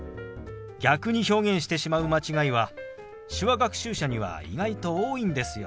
逆に表現してしまう間違いは手話学習者には意外と多いんですよ。